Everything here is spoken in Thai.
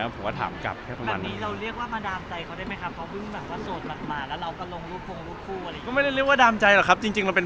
ผมก็ถามกลับแค่ประมาณนั้น